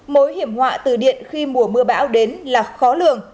mối hiểm họa từ điện khi mùa mưa bão đến là khó lường